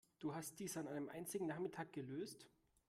Du hast dies an einem einzigen Nachmittag gelöst?